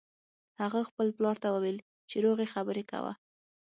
هغه خپل پلار ته وویل چې روغې خبرې کوه